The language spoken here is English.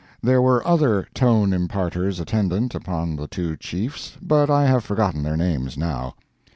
There were other Tone imparters attendant upon the two chiefs, but I have forgotten their names now.